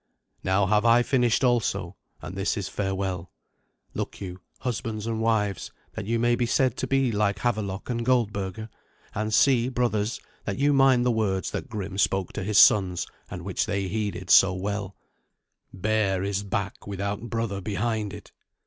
Now have I finished also, and this is farewell. Look you, husbands and wives, that you may be said to be like Havelok and Goldberga; and see, brothers, that you mind the words that Grim spoke to his sons, and which they heeded so well "Bare is back without brother behind it."